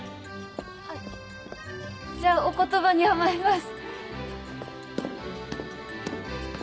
あっじゃあお言葉に甘えます。